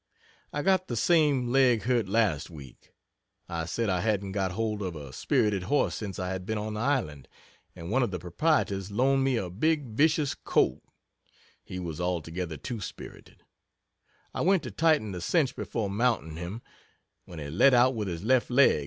I got the same leg hurt last week; I said I hadn't got hold of a spirited horse since I had been on the island, and one of the proprietors loaned me a big vicious colt; he was altogether too spirited; I went to tighten the cinch before mounting him, when he let out with his left leg